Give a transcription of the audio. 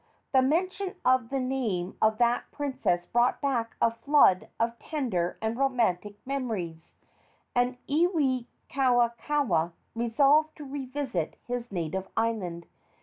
The mention of the name of that princess brought back a flood of tender and romantic memories, and Iwikauikaua resolved to revisit his native island.